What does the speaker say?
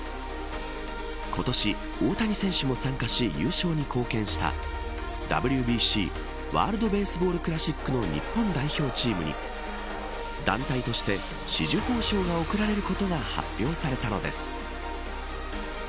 今年、大谷選手も参加し優勝に貢献したＷＢＣワールドベースボールクラシックの日本代表チームに団体として紫綬褒章が贈られることが発表されたのです。